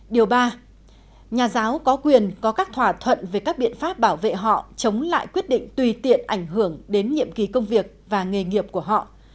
điều ba nhà giáo có quyền có các thỏa thuận về các biện pháp bảo vệ họ chống lại quyết định tùy tiện ảnh hưởng đến nhiệm kỳ công việc và nghề nghiệp của họ